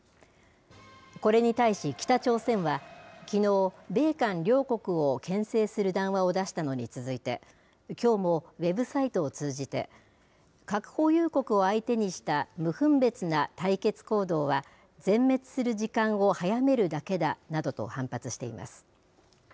これに対し北朝鮮は、きのう、米韓両国をけん制する談話を出したのに続いて、きょうもウェブサイトを通じて、核保有国を相手にした無分別な対決行動は全滅する時間を早めるだけだなどと反発しています。